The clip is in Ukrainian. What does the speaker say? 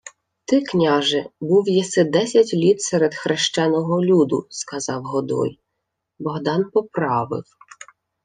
— Ти, княже, був єси десять літ серед хрещеного люду, — сказав Годой. Богдан поправив: